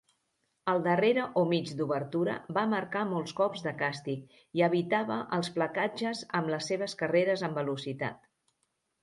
El darrere o mig d'obertura va marcar molts cops de càstig i evitava els placatges amb les seves carreres en velocitat.